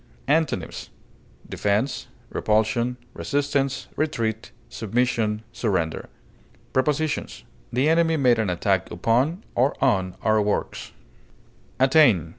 Antonyms: defense, repulsion, resistance, retreat, submission, surrender. Prepositions: The enemy made an attack upon (or on) our works. ATTAIN.